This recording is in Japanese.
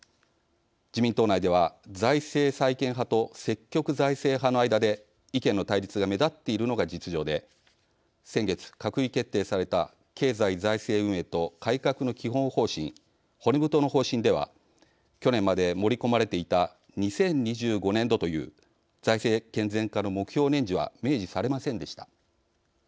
自民党内では財政再建派と積極財政派の間で意見の対立が目立っているのが実情で先月、閣議決定された経済財政運営と改革の基本方針＝骨太の方針では去年まで盛り込まれていた２０２５年度という財政健全化の目標年次は明示されませんでした。